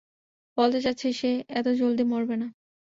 বলতে চাচ্ছি, সে এত জলদি মরবে না।